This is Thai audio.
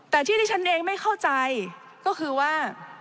แต่ที่ที่ฉันเองไม่เข้าใจก็คือว่า